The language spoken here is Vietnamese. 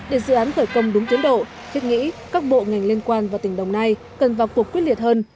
để dự án khởi công đúng tiến độ thiết nghĩ các bộ ngành liên quan và tỉnh đồng nai cần vào cuộc quyết liệt hơn